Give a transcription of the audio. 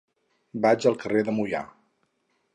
Vaig al carrer de Moià.